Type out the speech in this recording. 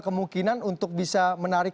kemungkinan untuk bisa menarik